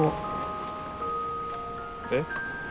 えっ？